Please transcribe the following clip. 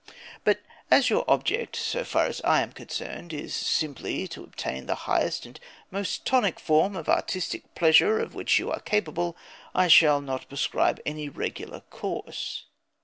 But as your object, so far as I am concerned, is simply to obtain the highest and most tonic form of artistic pleasure of which you are capable, I shall not prescribe any regular course.